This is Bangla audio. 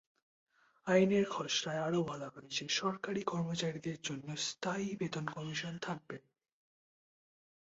আইনের খসড়ায় আরও বলা হয়েছে, সরকারি কর্মচারীদের জন্য স্থায়ী বেতন কমিশন থাকবে।